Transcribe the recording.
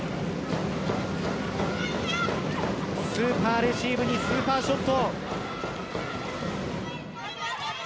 スーパーレシーブにスーパーショット。